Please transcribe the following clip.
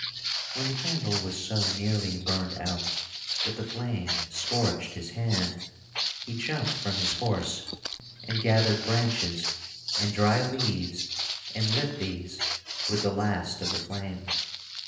When the candle was so nearly burned out that the flame scorched his hand, he jumped from his horse and gathered branches and dry leaves and lit these with the last of the flame.